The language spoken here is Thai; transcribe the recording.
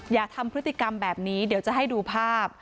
อย่าทำพฤติกรรมแบบนี้เดี๋ยวจะให้ดูภาพ